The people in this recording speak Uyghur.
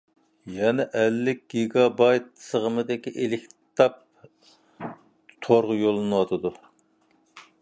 يەنە ئەللىك گىگابايت سىغىمدىكى ئېلكىتاب تورغا يوللىنىۋاتىدۇ.